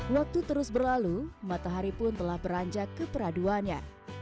waktu terus berlalu matahari pun telah beranjak ke peraduannya